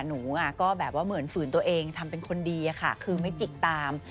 หนูก็แบบว่าเหมือนฝืนตัวเองทำเป็นคนดีค่ะคือไม่จิกตาม